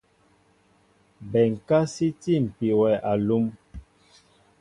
Bɛnká sí tîpi wɛ alúm.